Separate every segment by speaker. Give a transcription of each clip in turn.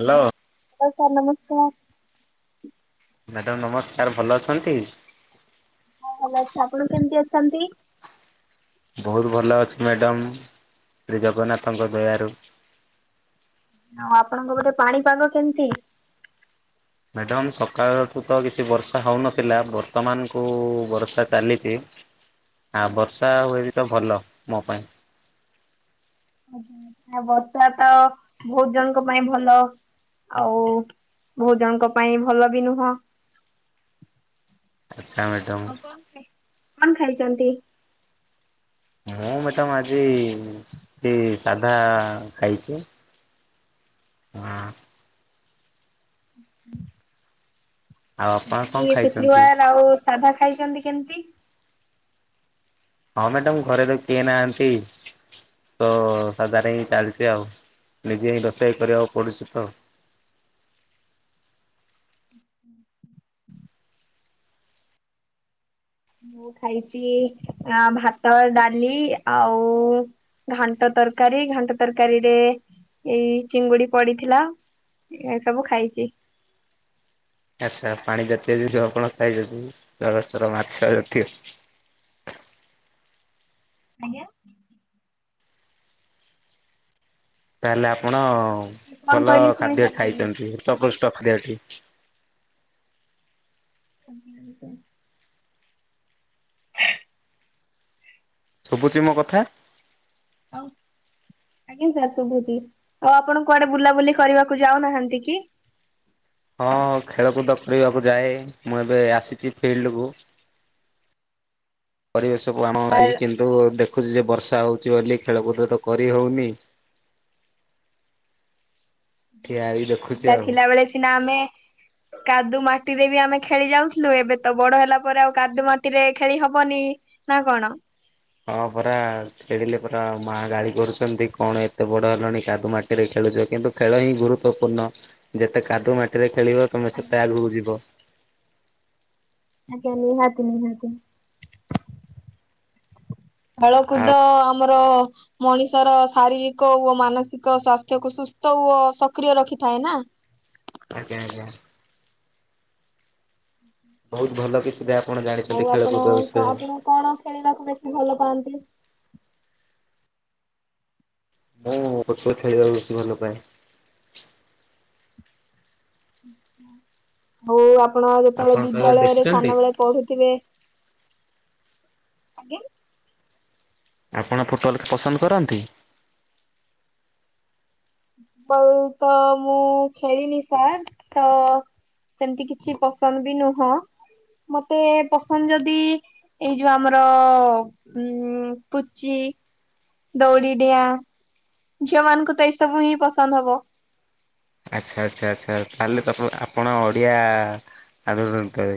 Speaker 1: Hello.
Speaker 2: ହଉ sir ନମସ୍କାର୍।
Speaker 1: Madam ନମସ୍କାର୍ ଭଲ ଅଛନ୍ତି?
Speaker 2: ହଁ ଭଲ ଅଛି। ଆପଣ କେମିତି ଅଛନ୍ତି?
Speaker 1: ବହୁତ୍ ଭଲ ଅଛି ମ୍ୟାଡ଼ମ୍ ଶ୍ରୀ ଜଗନ୍ନାଥଙ୍କ ଦୟାରୁ।
Speaker 2: ଆଉ ଆପଣଙ୍କ ପଟେ ପାଣିପାଗ କେମିତି?
Speaker 1: ମ୍ୟାଡ଼ାମ୍ ସକାଳଠୁ ତ କିଛି ବର୍ଷା ହଉନଥିଲା ବର୍ତ୍ତମାନ କୁ ବର୍ଷା ଚାଲିଚି। ଆଉ ବର୍ଷା ହୁଏ ବି ତ ଭଲ ମୋ ପାଇଁ।
Speaker 2: ଓହୋ ଆଉ ବର୍ଷା ତ ବହୁ ଜଣଙ୍କ ପାଇଁ ଭଲ। ଆଉ ବହୁ ଜଣଙ୍କ ପାଇଁ ଭଲ ବି ନୁହଁ।
Speaker 1: ଆଛା ମ୍ୟାଡାମ୍।
Speaker 2: ଏବେ କଣ ଖାଇଚନ୍ତି?
Speaker 1: ମୁଁ ମ୍ୟାଡାମ୍ ଆଜି କି ସାଧା ଖାଇଚି। ହଁ।
Speaker 2: ହ ହ
Speaker 1: ଆଉ ଆପଣ କଣ
Speaker 2: ଆଜି
Speaker 1: ଖାଇଛନ୍ତି?
Speaker 2: ଶୁକ୍ରବାର୍ ଆଉ ସାଧା ଖାଇଚନ୍ତି କେମିତି?
Speaker 1: ହଁ ମ୍ୟାଡାମ ଘରେ ତ କିଏ ନାହାନ୍ତି। ତ ସାଧାରେ ଏଇ ଚାଲିଚି ଆଉ ନିଜେ ରୋଷେଇ କରିଆକୁ ପଡ଼ୁଚି ତ।
Speaker 2: ହୁଁ ମୁଁ ଖାଇଚି ଆଁ ଭାତ ଡାଲି ଆଉ ଘାଣ୍ଟ ତରକାରୀ ଘାଣ୍ଟ ତରକାରୀରେ ଏଇ ଚିଙ୍ଗୁଡି ପଡିଥିଲା। ଏ ସବୁ ଖାଇଚି।
Speaker 1: ଆଚ୍ଛା, ପାଣି ଜାତୀୟ ଜିନିଷ ଆପଣ ଖାଇଛନ୍ତି ଜଳସ୍ତର ମାଛ ଜାତୀୟ?
Speaker 2: ଆଜ୍ଞା।
Speaker 1: ତାହେଲେ ଆପଣ
Speaker 2: କଣ
Speaker 1: ଭଲ
Speaker 2: କହିଲି ଶୁଣି
Speaker 1: ଖାଦ୍ୟ
Speaker 2: ପାରିଲିନି।
Speaker 1: ଖାଇଛନ୍ତି ହୃତପୃଷ୍ଟ ଖାଦ୍ୟଟି।
Speaker 2: [inaudible]
Speaker 1: ଶୁବୁଚି ମୋ କଥା?
Speaker 2: [inaudible] ଆଜ୍ଞା, ସାର୍ ଶୁଭୁଚି। ଆଉ ଆପଣ କୁଆଡେ ବୁଲାବୁଲି କରିବାକୁ ଯାଉନାହାନ୍ତି କି?
Speaker 1: ହଁ, ଖେଳକୁଦ କରିବାକୁ ଯାଏ। ମୁଁ ଏବେ ଆସିଛି ଫିଲ୍ଡ୍ କୁ। ପରିବେଶକୁ
Speaker 2: ଆ
Speaker 1: [unintelligible] କିନ୍ତୁ ଦେଖୁଛି, ଯେ ବର୍ଷା ହଉଛି ବୋଲି ଖେଳକୁଦ ତ କରି ହଉନି। ଠିଆ ହେଇ ଦେଖୁଛି
Speaker 2: ପିଲା
Speaker 1: ଆଉ।
Speaker 2: ଥିଲା ବେଳେ ସିନା ଆମେ କାଦୁ ମାଟିରେ ବି ଆମେ ଖେଳି ଯାଉଥିଲୁ। ଏବେ ତ ବଡ ହେଲା ପରେ ଆଉ କାଦୁ ମାଟିରେ ଖେଳି ହବନି। ନା, କଣ?
Speaker 1: ହଁ, ପରା। ଖେଳିଲେ ପରା ମାଆ ଗାଳି କରୁଛନ୍ତି କଣ, ଏତେ ବଡ଼ ହେଲଣି, କାଦୁ ମାଟିରେ ଖେଳୁଛ? କିନ୍ତୁ ଖେଳ ହିଁ ଗୁରୁତ୍ୱପୂର୍ଣ୍ଣ। ଯେତେ କାଦୁ ମାଟିରେ ଖେଳିବ, ତୁମେ ସେତେ
Speaker 2: ଆଜ୍ଞା
Speaker 1: ଆଗକୁ ଯିବ।
Speaker 2: ଆଜ୍ଞା ନିହାତି ନିହାତି। ହଳକୁଦ
Speaker 1: ଆଉ
Speaker 2: ଆମର ମଣିଷର ଶାରୀରିକ ଓ ମାନସିକ ସ୍ୱାସ୍ଥ୍ୟକୁ ସୁସ୍ଥ ଓ ସକ୍ରିୟ ରଖିଥାଏ ନା।
Speaker 1: ଆଜ୍ଞା ଆଜ୍ଞା। ବହୁତ ଭଲ! କିଛିଟା ଆପଣ
Speaker 2: ଆଉ
Speaker 1: ଜାଣିଛନ୍ତି
Speaker 2: ଆପଣ
Speaker 1: ଖେଳକୁଦ ବିଷୟରେ।
Speaker 2: ଆପଣ କଣ ଖେଳିବାକୁ ବେଶୀ ଭଲ ପାଆନ୍ତି?
Speaker 1: ମୁଁ [unintelligible] ଖେଳିବାକୁ ବେଶୀ ଭଲ ପାଏ।
Speaker 2: ହଉ, ଆପଣ ଯେତେବେଳେ
Speaker 1: ଆପଣ କେବେ
Speaker 2: ବିଦ୍ୟାଳୟରେ
Speaker 1: ଦେଖିଛନ୍ତି?
Speaker 2: ସାନବେଳେ ପଢୁଥିବେ। ଆଜ୍ଞା।
Speaker 1: ଆପଣ ଫୋଟୋ ୱାଲ୍ ପସନ୍ଦ କରନ୍ତି?
Speaker 2: ବଲ ତ ମୁଁ ଖେଳିିନି, ସାର୍ ତ ସେମିତି କିଛି ପସନ୍ଦ ବି ନୁହଁ। ମତେ ପସନ୍ଦ ଯଦି ଏଇ ଯୋଉ ଆମର ଉଁ ପୁଚି ଦୌଡ଼ିଡିିଆଁ ଝିଅ ମାନଙ୍କୁ ତ ଏଇ ସବୁ ହିଁ ପସନ୍ଦ ହବ।
Speaker 1: ଆଚ୍ଛା ଆଚ୍ଛା, ଆଚ୍ଛା! ତାହେଲେ ତ ଆପଣ ଆପଣ ଓଡ଼ିଆ ଆଧୁନିକ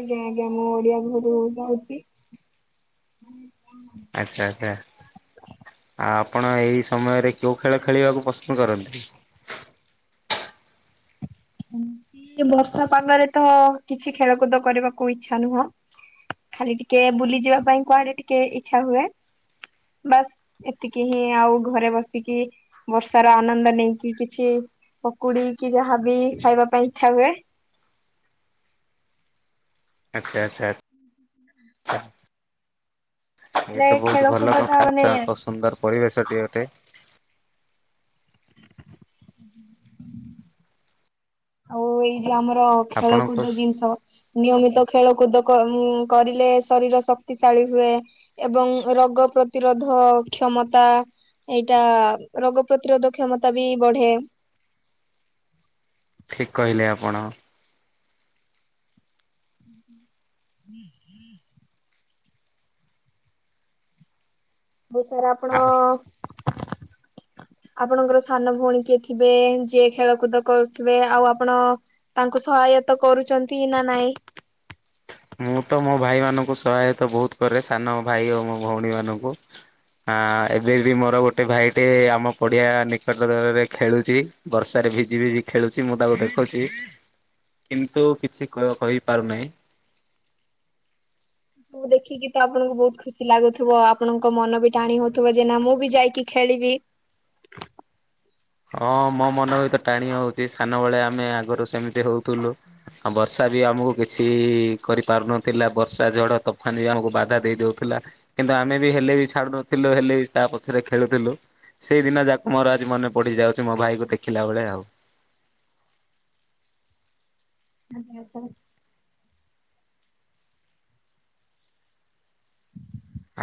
Speaker 2: ଆଜ୍ଞା ଆଜ୍ଞା, ମୁଁ ଓଡିଆ ଘୋରୁ ଯାଉଚି।
Speaker 1: ଆଚ୍ଛା ଆଚ୍ଛା। ଆଉ ଆପଣ ଏଇ ସମୟରେ କେଉଁ ଖେଳ ଖେଳିବାକୁ ପସନ୍ଦ କରନ୍ତି?
Speaker 2: [inaudible] ଏଇ ବର୍ଷା ପାଗରେ ତ କିଛି ଖେଳକୁଦ କରିବାକୁ ଇଚ୍ଛା ନୁହଁ। ଖାଲି ଟିକେ ବୁଲି ଯିବା ପାଇଁ କୁଆଡେ ଟିକେ ଇଛା ହୁଏ। ବାସ୍। ଏତିକି ହିଁ, ଆଉ ଘରେ ବସିକି ବର୍ଷାର ଆନନ୍ଦ ନେଇକି କିଛି ପକୁଡି କି ଯାହାବି ଖାଇବା ପାଇଁ ଇଛା ହୁଏ।
Speaker 1: ଆଚ୍ଛା ଆଛା ଆଛା ଏଇ
Speaker 2: ହେଲେ
Speaker 1: ତ ବହୁତୁ ଭଲ
Speaker 2: ଖେଳକୁଦ ଟା ମାନେ
Speaker 1: କଥା। ପସନ୍ଦର ପରିବେଶ ଟିଏ ଅଟେ।
Speaker 2: ଆଉ ଏଇ ଯୋଉ ଆମର
Speaker 1: ଆପଣଙ୍କୁ
Speaker 2: ଖେଳକୁଦ ଜିନିଷ ନିୟମିତ ଖେଳକୁଦ କ କରିଲେ ଶରୀର ଶକ୍ତିଶାଳୀ ହୁଏ। ଏବଂ ରୋଗ ପ୍ରତିରୋଧ କ୍ଷମତା ଏଇଟା ରୋଗ ପ୍ରତିରୋଧ କ୍ଷମତା ବି ବଢେ।
Speaker 1: ଠିକ୍ କହିଲେ ଆପଣ।
Speaker 2: ହୁଁ ହୁଁ ମୁଁ ସାର୍ ଆପଣ
Speaker 1: ଫାଙ୍କା ଅଡ଼ିଓ
Speaker 2: ଆପଣଙ୍କର ସାନ ଭଉଣୀ କିଏ ଥିବେ ଯିଏ ଖେଳକୁଦ କରୁଥିବେ ଆଉ ଆପଣ ତାଙ୍କୁ ସହାୟତ କରୁଚନ୍ତି ନା ନାଇଁ।
Speaker 1: ମୁଁ ତ ମୋ ଭାଇମାନଙ୍କୁ ସହାୟତ ବହୁତ କରେ ସାନ ଭାଇ ଓ ମୋ ଭଉଣୀ ମାନଙ୍କୁ। ଆଁ ଏବେ ବି ମୋର ଗୋଟେ ଭାଇ ଟେ ଆମ ପଡିଆ ନିକଟରରେ ଖେଳୁଚି। ବର୍ଷାରେ ଭିଜି ଭିଜି ଖେଳୁଚି ମୁଁ ତାକୁ ଦେଖୁଚି। କିନ୍ତୁ କିଛି କ କହିପାରୁନାହିଁ।
Speaker 2: ସବୁ ଦେଖିକି ତ ଆପଣଙ୍କୁ ବହୁତ ଖୁସି ଲାଗୁଥୁବ ଆପଣଙ୍କ ମନ ବି ଟାଣି ହଉଥିବ ଯେ ନା ମୁଁ ବି ଯାଇକି ଖେଳିବି।
Speaker 1: ହଁ ମୋ ମନ ବି ତ ଟାଣି ହଉଚି ସାନବେଳେ ଆମେ ଆଗୁରୁ ସେମିତି ହଉଥିଲୁ ଆଉ ବର୍ଷା ବି ଆମୁକୁ କିଛି କରିପାରୁନଥିଲା ବର୍ଷା ଝଡ଼ ତୋଫାନ ବି ଆମକୁ ବାଧା ଦେଇଦଉଥିଲା। କିନ୍ତୁ ଆମେ ବି ହେଲେ ବି ଛାଡୁ ନଥିଲୁ ହେଲେ ବି ତା ପଛରେ ଖେଳୁଥିଲୁ ସେଇଦିନ ଯାକ ମୋର ଆଜି ମନେ ପଡିି ଯାଉଚି ମୋ ଭାଇ କୁ ଦେଖିଲା ବେଳେ ଆଉ।
Speaker 2: [unintelligible]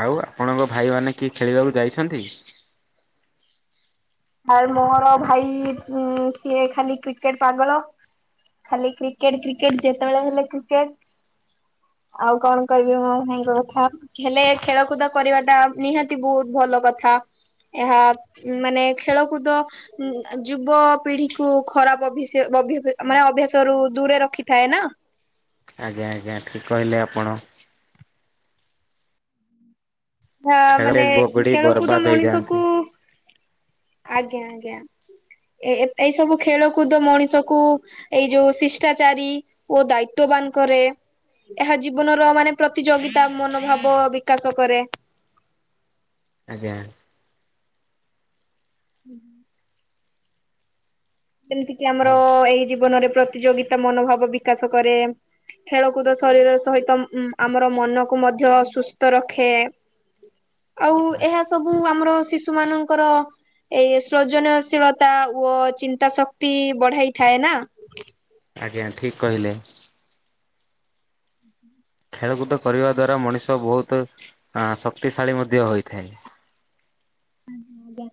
Speaker 1: ଆଉ ଆପଣଙ୍କ ଭାଇମାନେ କିଏ ଖେଳିବାକୁ ଯାଇସନ୍ତି?
Speaker 2: ଆରେ ମୋର ଭାଇ ଉଁ ସିଏ ଖାଲି କ୍ରିକେଟ ପାଗଳ। ଖାଲି କ୍ରିକେଟ କ୍ରିକେଟ ଯେତେବେଳେ ହେଲେ କ୍ରିକେଟ। ଆଉ କଣ କହିବି ମୋ ଭାଇଙ୍କ କଥା। ହେଲେ ଖେଳକୁଦ କରିବାଟା ନିହାତି ବହୁତ ଭଲ କଥା ଏହା ମାନେ ଖେଳକୁଦ। ଯୁବ ପିଢିକୁୁ ଖରାପ [unintelligible] ମାନେ ଅଭ୍ୟାସ ରୁ ଦୂରେ ରଖିଥାଏ ନା।
Speaker 1: ଆଜ୍ଞା ଆଜ୍ଞା ଠିକ୍ କହିଲେ ଆପଣ।
Speaker 2: ହ
Speaker 1: ଖେଳରେ
Speaker 2: ମାନେ
Speaker 1: ବଗଡ଼ି
Speaker 2: ଖେଳକୁଦ
Speaker 1: ବର୍ବାଦ
Speaker 2: ମଣିଷକୁ
Speaker 1: ହେଇଯାଆନ୍ତି।
Speaker 2: ଆଜ୍ଞା ଆଜ୍ଞା। ଏ ଏଇ ସବୁ ଖେଳକୁଦ ମଣିଷକୁ ଏଇ ଯୋଉ ଶିଷ୍ଟାଚାରୀ ଓ ଦାୟିତ୍ୱବାନ କରେ। ଏହା ଜୀବନର ମାନେ ପ୍ରତିଯୋଗିତା ମନୋଭାବ ବିକାଶ କରେ।
Speaker 1: ଆଜ୍ଞା।
Speaker 2: ହୁଁ ହୁଁ। ଯେମିତି କିି ଆମର
Speaker 1: ଆଉ
Speaker 2: ଏଇ ଜୀବନରେ ପ୍ରତିଯୋଗିତା ମନୋଭାବ ବିକାଶ କରେ। ଖେଳକୁଦ ଶରୀର ସହିତ ଉଂ ଆମର ମନକୁ ମଧ୍ୟ ସୁସ୍ଥ ରଖେ।
Speaker 1: ଫାଙ୍କା ଅଡ଼ିଓ
Speaker 2: ଆଉ ଏହା ସବୁ ଆମର ଶିଶୁ ମାନଙ୍କର ଏଇ ସୃଜନଶୀଳତା ଓ ଚି ଚିନ୍ତା ଶକ୍ତି ବଢାଇଥାଏ ନା।
Speaker 1: ଆଜ୍ଞା ଠିକ୍ କହିଲେ। ଖେଳକୁଦ କରିବା ଦ୍ୱାରା ମଣିଷ ବହୁତ ଆଁ ଶକ୍ତିଶାଳୀ ମଧ୍ୟ ହୋଇଥାଏ।
Speaker 2: ଆଜ୍ଞ ଆଜ୍ଞା।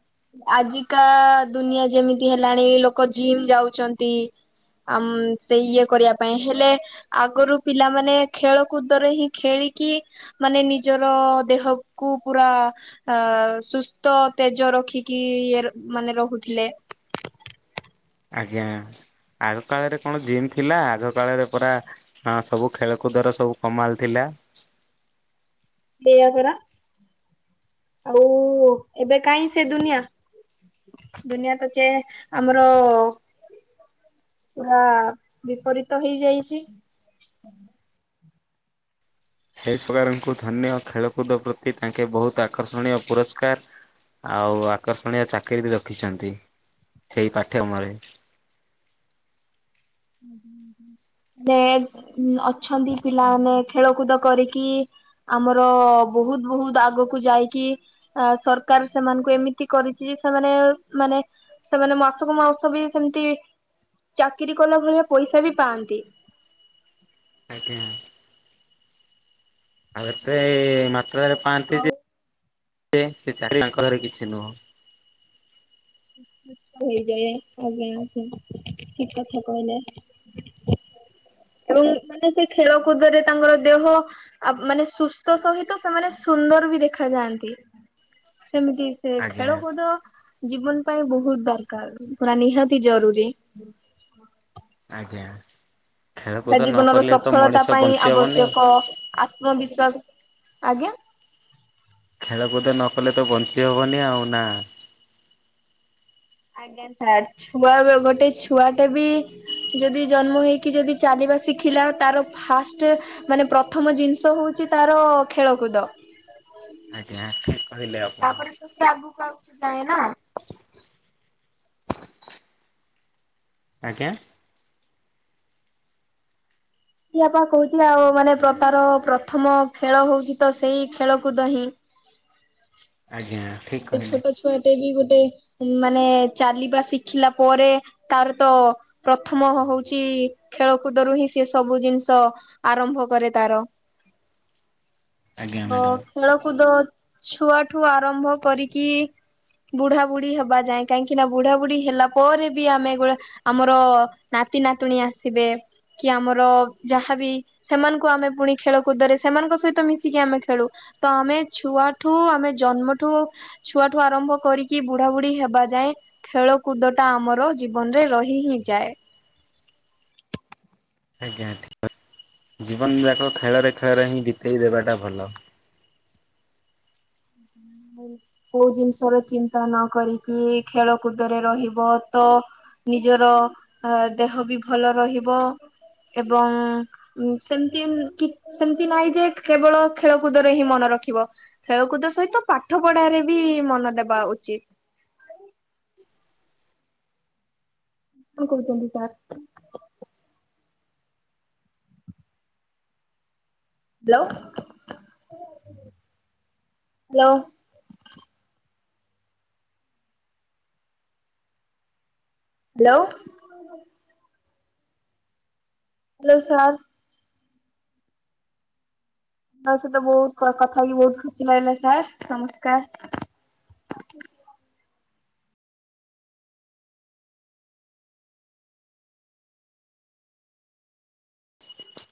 Speaker 2: ଆଜିକା ଦୁନିଆ ଯେମିତି ହେଲାଣି ଲୋକ ଜିମ୍ ଯାଉଚନ୍ତି। ଆମ୍ ସେ ଇଏ କରିବା ପାଇଁ ହେଲେ ଆଗରୁ ପିଲାମାନେ ଖେଳକୁୁଦରେ ହିଁ ଖେଳିକି। ମାନେ ନିଜର ଦେହକୁ ପୁରା ଅ ସୁସ୍ ତ ତେଜ ରଖିକି ଇଏ ମାନେ ରହୁଥିଲେ।
Speaker 1: ଆଜ୍ଞା। ଆଗ କାଳରେ କଣ ଜିମ୍ ଥିଲା, ଆଗ କାଳରେ ପୁରା ହଁ ସବୁ ଖେଳକୁଦର ସବୁ କମାଲ ଥିଲା।
Speaker 2: ସେଇଆ ପରା। ଆଉ ଏବେ କାହିଁ ସେ ଦୁନିଆ। ଦୁନିଆ ତ ଚେ ଆମର ପୁରା ବିପରୀତ ହେଇଯାଇଛି।
Speaker 1: ଏହି [unintelligible] ଧନ୍ୟ ଖେଳକୁଦ ପ୍ରତି ତାଙ୍କେ ବହୁତ ଆକର୍ଷଣୀୟ ପୁରସ୍କାର ଆଉ ଆକର୍ଷଣୀୟ ଚାକିରି ବି ରଖିଛନ୍ତି, ସେଇ ପାଠ୍ୟମରେ।
Speaker 2: ନେ ଅଛନ୍ତି ପିଲାମାନେ ଖେଳକୁଦ କରିକି ଆମର ବହୁତ ବହୁତ ଆଗକୁ ଯାଇକି ଆ ସରକାର ସେମାନଙ୍କୁ ଏମିତି କରିଛି, ଯେ ସେମାନେ ମାନେ ସେମାନେ ମାସକୁ ମାଉସ ବି ସେମିତି, ଚାକିରି କଲା ଭଳିଆ ପଇସା ବି ପାଆନ୍ତି।
Speaker 1: ଆଜ୍ଞା। ଆ ଏତେ ମାତ୍ରରେ ପାଆନ୍ତି
Speaker 2: ଆଉ
Speaker 1: ଯେ, ସେ ଚାରିକି [inaudible] କିଛି ନୁହଁ।
Speaker 2: ହେଇଯାଏ ଆଜ୍ଞା। ଠିକ କଥା କହିଲେ। ଏବଂ ମାନେ ସେ ଖେଳକୁଦରେ ତାଙ୍କର ଦେହ ଆ ମାନେ ସୁସ୍ଥ ସହିତ ସେମାନେ ସୁନ୍ଦର ବି ଦେଖାାଯାଆନ୍ତି। ସେମିତି ସେ
Speaker 1: ଆଜ୍ଞା
Speaker 2: ଖେଳକୁଦ ଜୀବନ ପାଇଁ ବହୁତ ଦରକାର। ପୁରା ନିହାତି ଜରୁରୀ।
Speaker 1: ଆଜ୍ଞା।
Speaker 2: ତା
Speaker 1: ଖେଳକୁଦ ନ
Speaker 2: ଜୀବନର
Speaker 1: କଲେ ତ
Speaker 2: ସଫଳତା
Speaker 1: ମଣିଷ
Speaker 2: ପାଇଁ
Speaker 1: ବଞ୍ଚି ହବନି ଆଉ।
Speaker 2: ଆବଶ୍ୟକ ଆତ୍ମବିଶ୍ଵାସ ଆଜ୍ଞା।
Speaker 1: ଖେଳକୁଦ ନକଲେ ତ ବଞ୍ଚି ହେବନି ଆଉ ନା।
Speaker 2: ଆଜ୍ଞା ସାର୍ ଛୁଆ ଗୋଟେ ଛୁଆଟା ବି ଯଦି ଜନ୍ମ ହେଇକି ଯଦି ଚାଲିବା ଶିଖିଲା, ତାର ଫାଷ୍ଟ ମାନେ ପ୍ରଥମ ଜିନିଷ ହଉଛି ତାର ଖେଳକୁଦ।
Speaker 1: ଆଜ୍ଞା ଠିକ କହିଲେ ଆଉ
Speaker 2: ତାପରେ ତ ସିଏ ଆଗକୁ ଆଗକୁ ଯାଏ ନା।
Speaker 1: ଆଜ୍ଞା।
Speaker 2: ଆପା କହୁଥିଲେ ଆଉ ମାନେ ତାର ପ୍ରଥମ ଖେଳ ହଉଛି ତ ସେଇ ଖେଳକୁଦ ହିିଁ।
Speaker 1: ଆଜ୍ଞା। ଠିକ
Speaker 2: ଏଇ
Speaker 1: କହିଲେ।
Speaker 2: ଛୋଟ ଛୁଆଟେ ବି ଗୋଟେ, ମାନେ ଚାଲିବା ଶିଖିଲା ପରେ ତାର ତ ପ୍ରଥମ ହଉଛି ଖେଳକୁଦରୁ ହିଁ ସେ ସବୁ ଜିନିଷ ଆରମ୍ଭ କରେ ତାର।
Speaker 1: ଆଜ୍ଞା
Speaker 2: ତ
Speaker 1: ମ୍ୟାଡ଼ାମ
Speaker 2: ଖେଳକୁଦ ଛୁଆଠୁ ଆରମ୍ଭ କରିକି ବୁଢା ବୁଢୀ ହେବା ଯାଏଁ। କାହିଁକି ନା ବୁଢା ବୁଢୀ ହେଲା ପରେ ବି ଆମେ ଏଗୁଡା ଆମର ନାତି ନାତୁଣୀ ଆସିବେ, କି ଆମର ଯାହାବି ସେମାନଙ୍କୁ ଆମେ ପୁଣି ଖେଳକୁଦରେ ସେମାନଙ୍କ ସହିତ ମିଶିକି ଆମେ ଖେଳୁ। ତ ଆମେ ଛୁଆଠୁ ଆମେ ଜନ୍ମଠୁ ଛୁଆଠୁ ଆରମ୍ଭ କରିକି ବୁଢା ବୁଢୀ ହେବା ଯାଏଁ ଖେଳ କୁଦଟା ଆମର ଜୀବନରେ ରହି ହିଁ ଯାଏ।
Speaker 1: ଆଜ୍ଞା ଠିକ୍ କଥା। ଜୀବନ ଯାକ ଖେଳରେ ଖେଳରେ ହିଁ ବିତେଇ ଦେବାଟା ଭଲ।
Speaker 2: [inaudible] କୋଉ ଜିନିଷର ଚିନ୍ତା ନ କରିକି ଖେଳକୁଦରେ ରହିବ ତ ନିଜର ଦେହ ବି ଭଲ ରହିବ ଏବଂ ସେମିତି ସେମିତି ନାହିଁ ଯେ କେବଳ ଖେଳକୁଦରେ ହିଁ ମନେ ରଖିବ। ଖେଳକୁଦ ସହିତ ପାଠ ପଢାରେ ବି ମନ ଦେବା ଉଚିତ୍। କଣ କହୁଚନ୍ତି sir. Hello hello. Hello. Hello sir. ତ ସହିତ ବହୁତ୍ କଥା କିି ବହୁତ୍ ଖୁସି ଲାଗିଲା ସାର୍ ନମସ୍କାର।